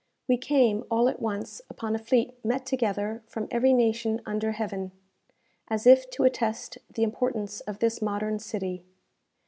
We came, all at once, upon a fleet met together from every nation under heaven, as if to attest the importance of this modern city.